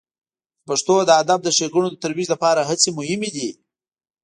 د پښتو د ادب د ښیګڼو د ترویج لپاره هڅې مهمې دي.